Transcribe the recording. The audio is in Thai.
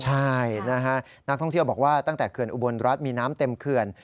ใช่นะฮะนักท่องเที่ยวบอกว่าตั้งแต่เขื่อนอุบลรัฐมีน้ำเต็มเขื่อน